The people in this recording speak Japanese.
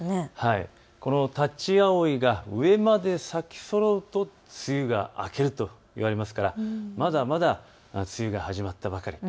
このタチアオイが上まで咲きそろうと梅雨が明けるといわれますからまだまだ梅雨が始まったばかり。